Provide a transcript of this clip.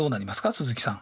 鈴木さん。